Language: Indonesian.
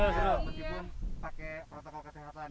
meskipun menggunakan protokol kesehatan